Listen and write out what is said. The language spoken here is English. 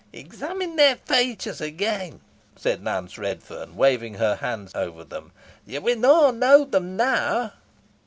"Examine their features again," said Nance Redferne, waving her hands over them. "Yo win aw knoa them now."